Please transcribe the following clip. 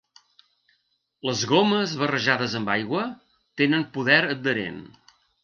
Les gomes barrejades amb aigua tenen poder adherent.